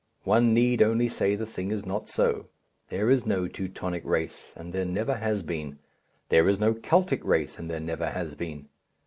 One need only say the thing is not so; there is no Teutonic race, and there never has been; there is no Keltic race, and there never has been.